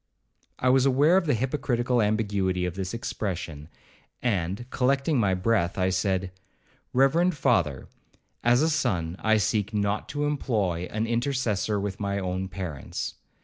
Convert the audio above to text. I was aware of the hypocritical ambiguity of this expression; and, collecting my breath, I said, 'Reverend father, as a son I seek not to employ an intercessor with my own parents.